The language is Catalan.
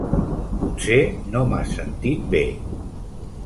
Potser no m'has sentit bé.